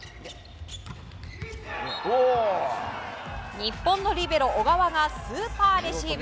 日本のリベロ小川がスーパーレシーブ！